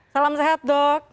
salam sehat dok